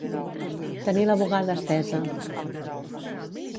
Tenir la bugada estesa.